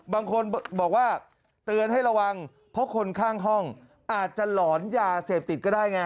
บางคนบอกว่าเตือนให้ระวังเพราะคนข้างห้องอาจจะหลอนยาเสพติดก็ได้ไง